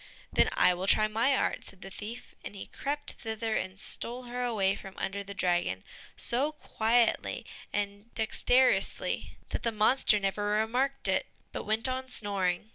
"Then I will try my art," said the thief, and he crept thither and stole her away from under the dragon, so quietly and dexterously, that the monster never remarked it, but went on snoring.